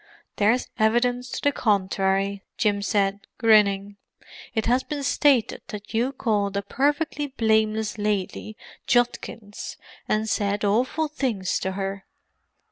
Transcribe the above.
"There's evidence to the contrary," Jim said, grinning. "It has been stated that you called a perfectly blameless lady Judkins, and said awful things to her."